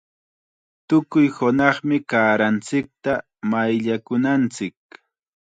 Tukuy hunaqmi kaaranchikta mayllakunanchik.